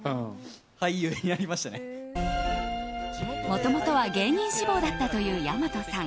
もともとは芸人志望だったという矢本さん。